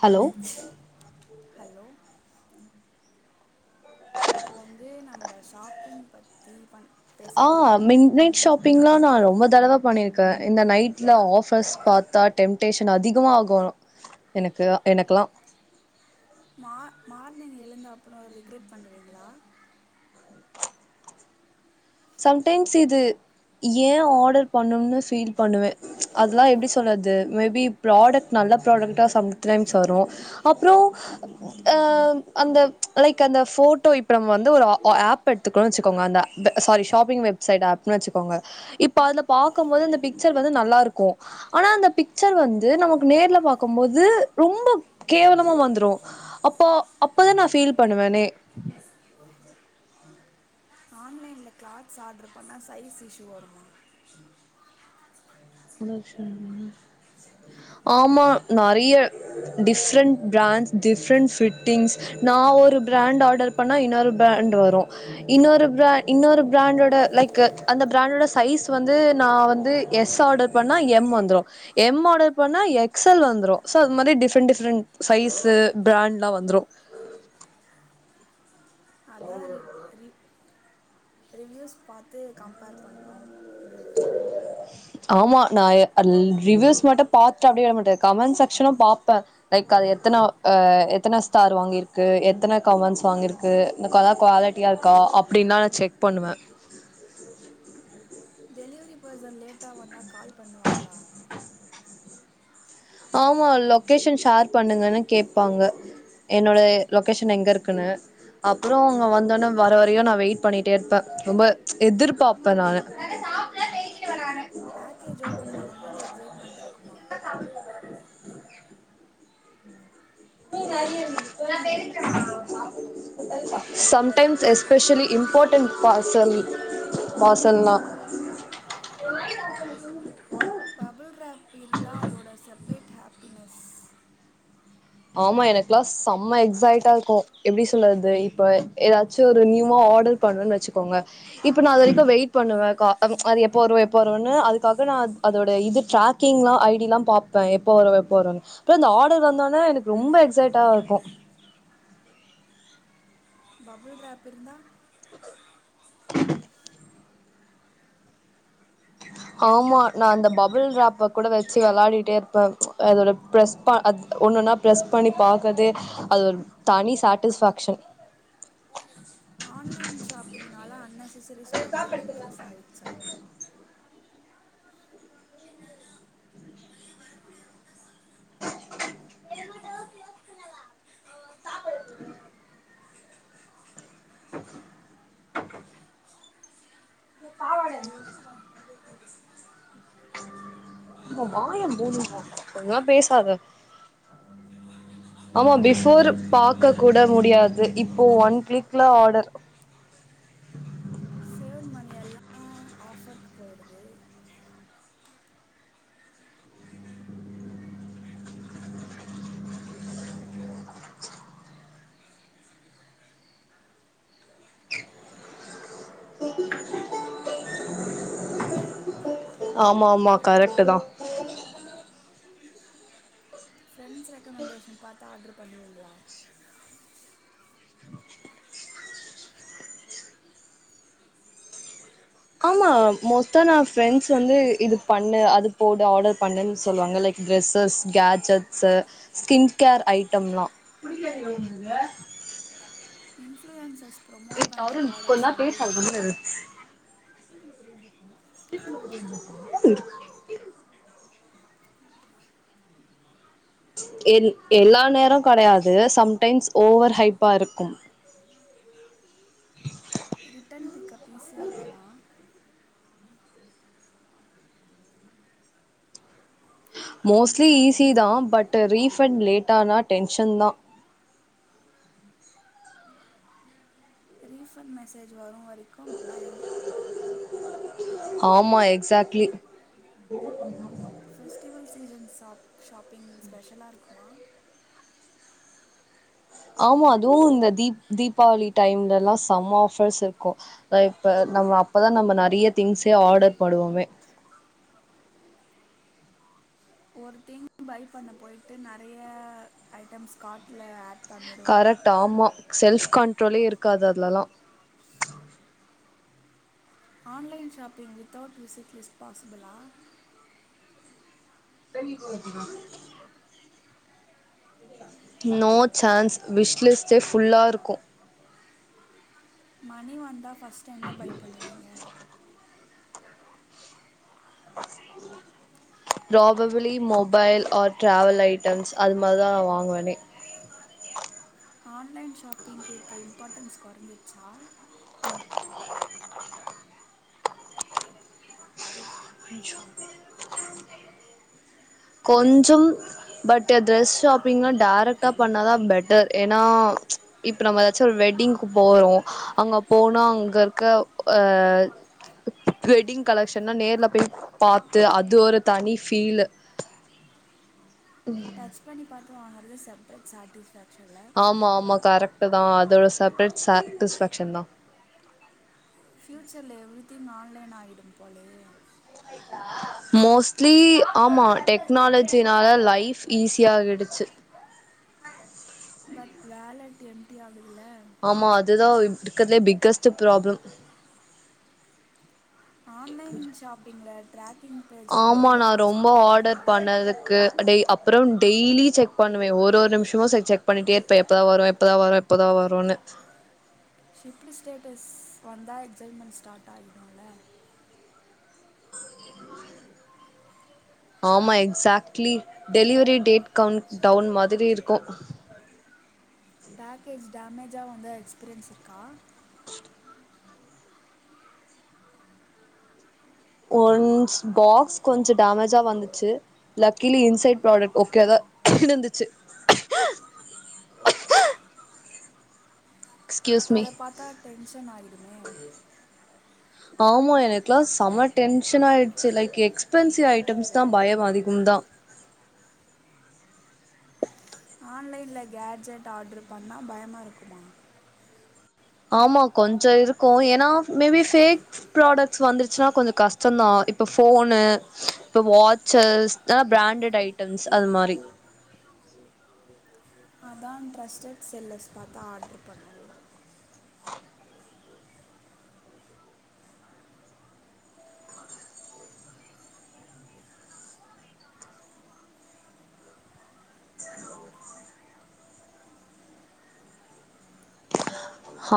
hello hello இப்போ வந்து நம்ப ஷாப்பிங் பத்தி பண் பேச ஆ போகிறோம் மிட் நைட் ஷாப் பிங்ளா நா ரொம்ப தடவ பண்ணிருக்கே இந்த நைட்ல ஆஃபர்ஸ் பாத்தா டெம்ட்டேஷன் அதிகமாக ஆகு எனக்கு எனக்குலா மா மார்னிங் எழுந்து அப்றோ ரிக்ரேட் பண்ணுவீங்ளா சம்டைம்ஸ் இது ஏன் ஆடர் பண்ணோம்னு ஃபீல் பண்ணுவே அதெல்லா எப்டி சொல்றது மேபி ப்ராடக்ட் நல்ல ப்ராடக்ட்டா சம்டைம்ஸ் வரு அப்றோ ஆ அந்த லைக் அந்த ஃபோட்டோ இப்ப நம்ம வந்து ஒரு ஆ ஆப் எடுத்துக்கறோனு வச்சுக்கோங்க அந்த த சாரி ஷாப்பிங் வெப்சைட் ஆப்னு வச்சுக்கோங்க இப்ப அதுல பாக்கும்போது இந்த பிக்சர் வந்து நல்லா இருக்கு ஆனா அந்த பிக்சர் வந்து நமக்கு நேர்ல பாக்கும்போது ரொம்ப கேவலமா வந்துரு அப்போ அப்பதா நா ஃபீல் பண்ணுவனே ஆன்லைன்ல கிளாத்ஸ் ஆர்ட்ரு பண்ணா சைஸ் இஷ்யூ வருமா [unintelligible] ஆமா நெறைய டிஃப்ரெண்ட் பிராண்ட்ஸ் டிஃரெப்ண்ட் ஃபிட்டிங்ஸ் நான் ஒரு பிராண்ட் ஆர்டர் பண்ணா இன்னொரு பிராண்ட் வரு இன்னொரு பிரா இன்னொரு பிராண்டோட லைக் அந்த பிராண்டோட சைஸ் வந்து நா வந்து எஸ் ஆர்டர் பண்ணா எம் வந்துரு எம் ஆர்டர் பண்ணா எக்ஸ் எல் வந்துரு சோ அது மாரி டிஃப்ரெண்ட் டிஃப்ரெண்ட் சைஸு பிராண்ட்லா வந்துரு அதா ரி ரி ரிவ்யூஸ் பாத்து கம்பேர் பண்ணணு ஆமா நா அதுல் ரிவியூஸ் மட்டு பாத்து அப்டியே விட மாட்டே கமெண்ட் செக்ஷனு பாப்பே லைக் அது எத்தன அ எத்தன ஸ்டார் வாங்கிருக்கு எத்தன கமன்ஸ் வாங்கிருக் கு இந்த கல க்வாலிட்டியா இருக்கா அப்டின் தா நா செக் பண்ணுவே டெலிவரி பர்சன் லேட்டா வந்தா கால் பண்ணுவாங்களா ஆமா லொக்கேஷன் ஷேர் பண்ணுங்கனு கேப்பாங்க என்னோட லொக்கேஷன் எங்க இருக்குனு அப்றோ அவ்ங்க வந்தோன்னே வர வரையு நா வெய்ட் பண்ணிட்டே இர்ப்பே ரொம்ப எதிர்பாப்பே நானு பேக்கேஜ் ஓப்பன் பண்ணமோது எக்ஸைட்மெண்ட் இருக்குமா சம்டைம்ஸ் எஸ்பெஷலி இம்பாட்டன்ட் பார்சல் பார்சல்னா பபுள் ராப் இருந்தா அதோட செப்ரேட் ஹேப்பினஸ் ஆமா எனக்குலா செம்ம எக்ஸைட்டா இர்க்கு எப்டி சொல்லற்து இப்ப எதாச்சு ஒரு நியூவா ஆடர் பண்ணன் வெச்சுக்கோங்க இப்ப நா அது வரைக்கு வெய்ட் பண்ணுவ கா அம் அது எப்போ வரு எப்ப வருன்னு அதுக்காக நா அத் அதோட இது ட்ராக் கிங்லா ஐடில்லா பாப்ப எப்ப வரு எப்ப வருன்னு அப்ப அந்த ஆடர் வந்தோன்னே எனக் ரொம்ப எக்ஸைட்டா இர்க்கு பபுள் ராப் இருந்தா ஆமா நா அந்த பபுள் ராப்ப கூட வெச்சு வெளாடிட்டே இர்ப்பே அதோட ப்ரெஸ் பா அத் ஒன்னொன்னா ப்ரெஸ் பண்ணி பாக்கற்து அது ஒரு தனி சாட்டிஸ்ஃபேக்ஷன் ஆன்லைன் ஷாப்பிங்னால அன்னெசசரி ஸ்பெண்டிங் இன்க்ரீஸ் ஆய்டுச்சா வாயம் போணும் கொஞ்சல்லாம் பேசாத ஆ ஆமா பிஃபோர் பாக்க கூட முடியாது இப்போ ஒன் க்ளிக்ல ஆடர் சேவ் மணி எல்லா ஆஃபர் போடுது ஆமா ஆமா ஹலோ கரெக்ட்டு தா ஃப்ரெண்ட்ஸ் ரெக்கமண்டேஷன் பாத்து ஆட்ரு பண்ணுவீங்ளா ஆமா மோஸ்ட்டா நா ஃப்ரெண்ட்ஸ் வந்து இது பண்ணு அது போடு ஆடர் பண்ணுன் சொல்லுவாங்க like guesses, gadgets, skin care ஐட்டம்லா [unintelligible] ன்ஜஸ் promote பண்ற ப்ராடக்ட்ஸ் நம்புவீங்களா எல் எல்லா நேரோ கடயாது சம்டைம்ஸ் ஓவர் ஹைப்பா இருக்கும் ரிட்டன் பிக்கப் ஈஸியா இருக்குமா மோஸ்ட்லி ஈஸி தா பட்டு ரீஃபண்ட் லேட்டானா டென்ஷன் தா ரீஃபண்ட் மெசேஜ் வரு வரைக்கு பயம் ஆமா எக்ஸாக்ட்லி [inaudible] ஃபெஸ்டிவல் சீசன் சாப் ஷாப்பிங் ஸ்பெஷலா இருக்குமா ஆமா அதுவு இந்த தீப் தீபாவளி டைம்லல்லா செம ஆஃபர்ஸ் இருக்கு அ இப்ப நம்ம அப்பதா நம்ம நெறைய திங்ஸ்ஸே ஆடர் போடுவோமே ஒரு திங்க் பை பண்ண போய்ட்டு நெறைய ஐட்டம்ஸ் காட்ல ஆட் பண்ணிடு கரெக்ட் ஆமா செல்ஃப் கண்ட்ரோலே இருக்காது அதுலெல்லா online shopping without wishlist பாசிபளா [unintelligible] no chance விஷ்லிஸ்ட்டே ஃபுல்லா இருக்கோ மணி வந்தா ஃபர்ஸ்ட்டு என்ன பை பண்ணுவீங்க [inaudible] probably mobile or travel items அது மாரி தா நா வாங்குவனே ஆன்லைன் ஷாப்பிங்க்கு இப்போ இம்பார்ட்டன்ஸ் கொறஞ்சிச்சா கொஞ்சோ கொஞ்சோம் பட் ட்ரெஸ் ஷாப்பிங்னா டேரக்ட்டா பண்ணாதா பெட்டர் ஏனா இப்ப நம்ம ஏதாச்சு ஒரு வெட்டிங்கு போறோ அங்க போனா அங்க இருக்க ஆ வெட்டிங் கலெக்ஷன்னா நேர்ல போய் பாத்து அது ஒரு தனி ஃபீலு ம் டச் பண்ணி பாத்து வாங்றது செப்ரேட் சாட்டிஸ் ஃபேக்ஷன்ல ஆமா ஆமா கரெக்ட்டு தா அதோட செப்ரேட் சாக்ட்டிஸ் ஃபேக்ஷன் தா ஃப்யூச்சர்ல எவ்ரித்திங் ஆன்லைன் ஆய்டோ போலயே [inaudible] மோஸ்ட்லி ஆமா டெக்னாலஜினால லைஃப் ஈஸியாடுச்சி பட் வேலட் எம்டி ஆகுதுல ஆமா அதுதா இருக்கட்துலே பிக்கஸ்ட் ப்ராப்ளம் ஆன்லைன் ஷாப்பிங்ல ட்ரேக் ஆமா நா ரொம்ப ஆடர் பண்ணதுக்கு அடேய் அப் பறொ டெய்லி செக் பண்ணுவ ஒரு ஒரு நிம்ஸமு செ செக் பண்ணிட்டே இருப்ப எப்பதா வரோ எப்பதா வரோ எப்பதா வரோன்னு ஷிஃப்ட்டு ஸ்டேட்டஸ் வந்தா எக்ஸைன்மெண்ட் ஸ்டார்ட் ஆயிடோல ஆமா exactly delivery date countdown மாதிரி இருக்கோ பேக்கேஜ் டேமேஜா வந்த எக்ஸ்பீரியன்ஸ் இருக்கா ஒன்ஸ் பாக்ஸ் கொஞ்சோ டேமேஜா வந்துச்சு லக்கிலி இன்சைட் ப்ராடெக்ட் ஓகே தா இருந்துச்சு எக்ஸ்கியூஸ் மீ அத பாத்தா டென்ஷன் ஆயிடுமே ஆமா எனக்குலா செம டென்ஷன் ஆயிடுச்சு லைக் எக்ஸ்பென்சிவ் ஐட்டம்ஸ் தா பயம் அதிகம் தா ஆன்லைன்ல கேட்ஜெட் ஆட்ரு பண்ணா பயமா இருக்குமா ஆமா கொஞ்சொ இருக்கு ஏனா மேபி ஃபேக் ப்ராடக்ட்ஸ் வந்துருச்னா கொஞ்சோ கஷ்டோந்தா இப்ப ஃபோனு இப்ப வாட்சஸ் ஆ பிராண்டட் ஐட்டம்ஸ் அது மாரி அதா ட்ரஸ்டட்டு செல்லர்ஸ் பாத்தா ஆட்ரு பண்ணுவோ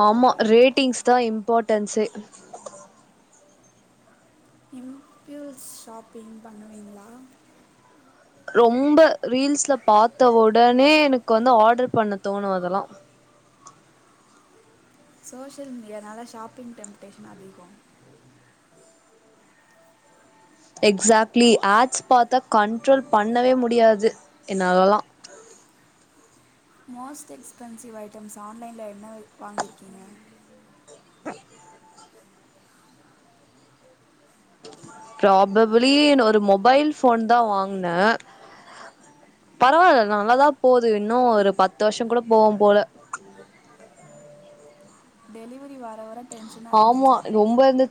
ஆமா ரேட்டிங்ஸ் தா இம்பார்ட்டன்ஸே ஃப்யூல்ஸ் ஷாப்பிங் பண்ணுவீங்ளா ரொம்ப ரீல்ஸ்ல பாத்த ஒடனே எனக்கு வந்து ஆடர்பண்ண தோனோ அதெல்லா சோஷியல் மீடியானால ஷாப்பிங் டெம்டேஷன் அதிகோ எக்ஸாக்ட்லி ஆட்ஸ் பாத்தா கண்ட்ரோல் பண்ணவே முடியாது என்னாலல்லா மோஸ்ட் எக்ஸ்பென்சிவ் ஐட்டம்ஸ் ஆன்லைன்ல என்ன வாங்கியிருக்கீங்க ப்ராபபிலி ஒரு மொபைல் ஃபோன்தா வாங்னே பரவால்ல நல்லாதா போது இன்னோ ஒரு பத்து வர்ஷோ கூட போவோ போல டெலிவரி வர வர டென்ஷனா இருந்துச்சா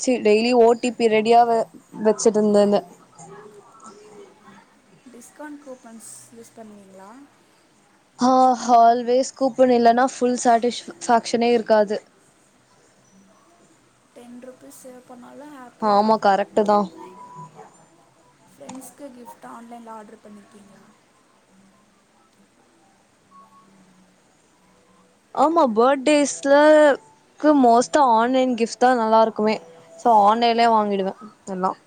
செரி டெய்லி ஓடிபி ரெடியா வ வச்சிட்டுருந்த த டிஸ்கவுண்ட் கூப்பன்ஸ் யூஸ் பண்ணுவீங்களா ஹோ ஹால்வேஸ் கூப்பன் இல்லன்னா ஃபுல் சேடிஸ்பேக்ஷனே இருக்காது டென் ருப்பீஸ் சேல் பண்ணாலும் ஹேஃப் ஆமா கரெக்ட்டு தா ஃப்ரண்ட்ஸ்கு கிஃப்ட்டு ஆன்லைன்ல ஆடர் பண்ணிருக்கீங்கிளா ஆமா பர்டேஸ்ல க்கு மோஸ்ட்டா ஆன்லைன் கிஃப்ட்ஸ் தா நல்லா இருக்குமே சோ ஆன்லைன்லே வாங்கிடுவன் எல்லாம்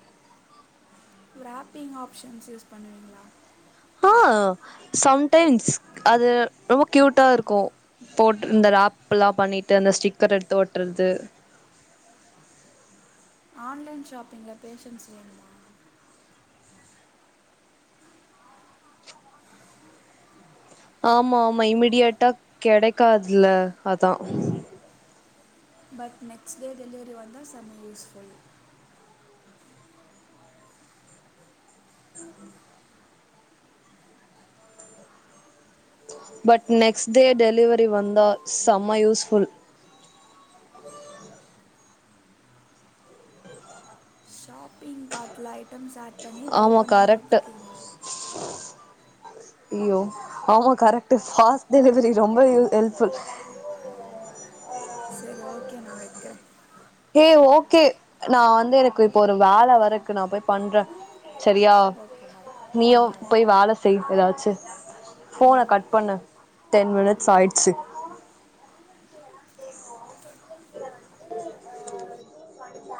ஒ ரேப்பிங் ஆப்ஷன்ஸ் யூஸ் பண்ணுவீங்கிளா ஆ சம்டைம்ஸ் அது ரொம்ப கியூட்டா இருக்கும் போட்ரு இந்த ரேப்பெல்லா பண்ணிட்டு அந்த ஸ்டிக்கர் எடுத்து ஒட்டறது ஆன்லைன் ஷாப்பிங்ல பேஷன்ஸ் வேணுமா ஆமா ஆமா இமீடியட்டா கெடைக்காதில்ல அதா பட் நெக்ஸ்ட் டே டெலிவரி வந்தா செம்ம useful but next day delivery வந்தா செம்ம யூஸ்ஃபுல் ஷாப்பிங் கார்ட்ல ஐட்டம்ஸ் ஆட் பண்ணி பைய் ஆமா பண்ணாம கரெக்ட் விட்ருக்கீங்ளா ஐயோ ஆமா கரெக்ட்டு ஃபாஸ்ட் டெலிவரி ரொம்ப யூ ஹெல்ப்ஃபுல் செரி ஓகே நா வக்கிறன் ஹே ஓகே நா வந்து எனக்கு இப்போ ஒரு வேல வேற ருக்கு நா போயி பண்றன் சரியா ஓகே பாய் ம் நீயும் பாய் போயி வேல செய் எதாச்சி ஃபோன கட் பண்ணு டென் மினிட்ஸ் ஆயிடுச்சி